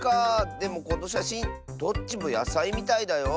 でもこのしゃしんどっちもやさいみたいだよ。